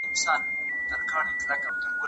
بې واکي انسان له ژونده زړه توری کوي.